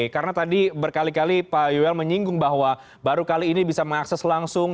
karena tadi berkali kali pak yuel menyinggung bahwa baru kali ini bisa mengakses langsung